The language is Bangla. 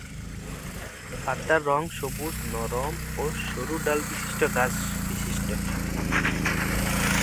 পাতার রং সবুজ নরম ও সরু ডাল বিশিষ্ট ঘাস বিশিষ্ট।